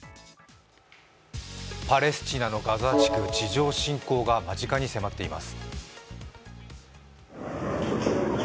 パレスチナのガザ地区、地上侵攻が間近に迫っています。